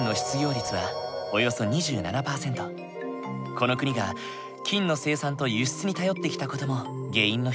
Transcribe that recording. この国が金の生産と輸出に頼ってきた事も原因の一つだ。